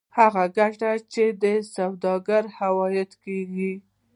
هغه ګټه چې د سوداګر عواید کېږي